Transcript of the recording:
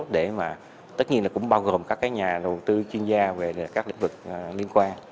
để mà tất nhiên là cũng bao gồm các nhà đầu tư chuyên gia về các lĩnh vực liên quan